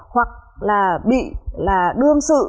hoặc là bị là đương sự